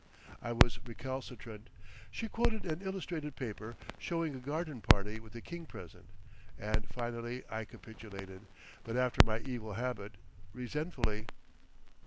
I was recalcitrant, she quoted an illustrated paper showing a garden party with the King present, and finally I capitulated—but after my evil habit, resentfully....